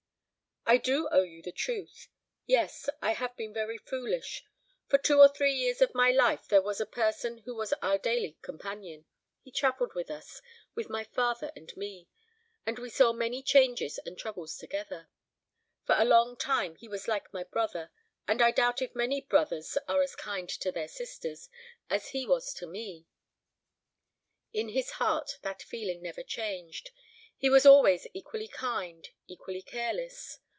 "I do owe you the truth. Yes; I have been very foolish. For two or three years of my life there was a person who was our daily companion. He travelled with us with my father and me; and we saw many changes and troubles together. For a long time he was like my brother; and I doubt if many brothers are as kind to their sisters as he was to me. In his heart that feeling never changed. He was always equally kind, equally careless.